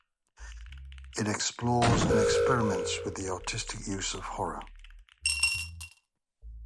It explores and experiments with the artistic uses of horror.